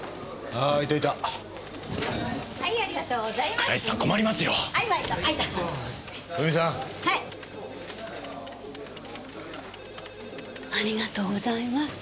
ありがとうございます。